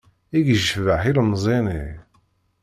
I yecbeḥ ilemẓi-nni!